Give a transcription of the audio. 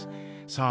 さあ